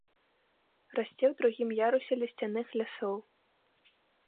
Расце ў другім ярусе лісцяных лясоў.